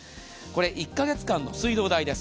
１か月間の水道代です。